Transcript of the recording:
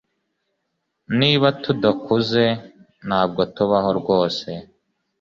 Niba tudakuze, ntabwo tubaho rwose. ”